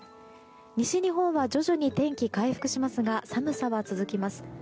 西日本は徐々に天気回復しますが寒さは続きます。